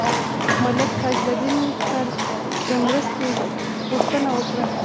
ملک تاج الدین کرد د مرستې غوښتنه وکړه.